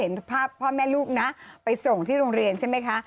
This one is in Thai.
ภาพพ่อแม่ลูกนะไปส่งที่โรงเรียนใช่ไหมคะ